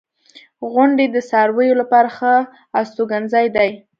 • غونډۍ د څارویو لپاره ښه استوګنځای دی.